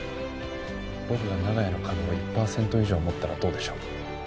僕が長屋の株を１パーセント以上持ったらどうでしょう？